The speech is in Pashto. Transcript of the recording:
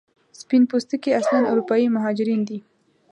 سپین پوستکي اصلا اروپایي مهاجرین دي.